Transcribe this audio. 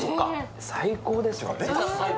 最高ですね。